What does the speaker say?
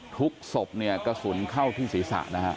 ศพเนี่ยกระสุนเข้าที่ศีรษะนะฮะ